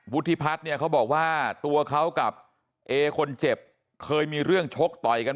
วุฒิพัฒน์เขาบอกว่าตัวเขากับคนเจ็บเคยมีเรื่องโชคต่อยกัน